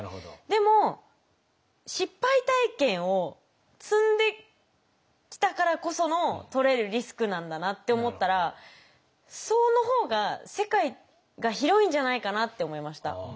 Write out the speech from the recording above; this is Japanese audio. でも失敗体験を積んできたからこそのとれるリスクなんだなって思ったらその方が世界が広いんじゃないかなって思いました。